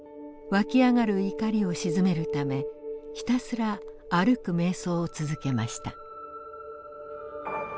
わき上がる怒りを静めるためひたすら歩く瞑想を続けました。